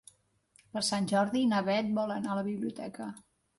Per Sant Jordi na Beth vol anar a la biblioteca.